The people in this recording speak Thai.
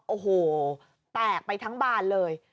โอ้โหแตกไปทั้งบานเลย